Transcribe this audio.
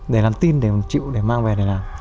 để làm tin để chịu để mang về để làm